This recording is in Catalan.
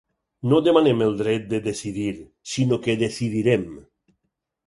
No demanem el dret de decidir, sinó que decidirem.